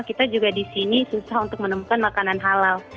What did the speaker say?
kita juga di sini susah untuk menemukan makanan halal